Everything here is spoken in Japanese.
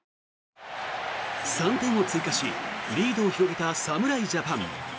３点を追加しリードを広げた侍ジャパン。